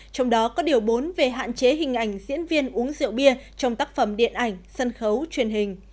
trong đó có điều bốn về hạn chế hình ảnh diễn viên uống rượu bia trong tác phẩm điện ảnh sân khấu truyền hình